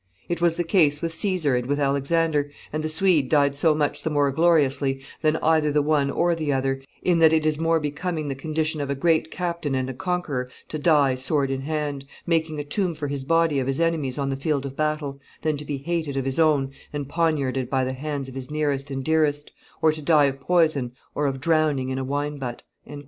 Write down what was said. It was the case with Caesar and with Alexander, and the Swede died so much the more gloriously than either the one or the other, in that it is more becoming the condition of a great captain and a conqueror to die sword in hand, making a tomb for his body of his enemies on the field of battle, than to be hated of his own and poniarded by the hands of his nearest and dearest, or to die of poison or of drowning in a wine butt."